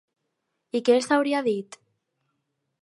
I què els hauria dit?